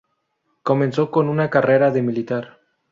Comenzó con una carrera de militar.